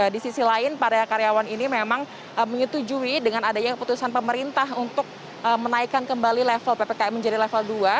di sisi lain para karyawan ini memang menyetujui dengan adanya keputusan pemerintah untuk menaikkan kembali level ppkm menjadi level dua